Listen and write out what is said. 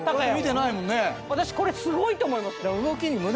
私これすごいと思います。